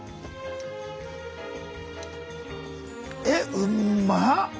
えっうまっ！